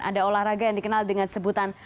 ada olahraga yang dikenal dengan sebutan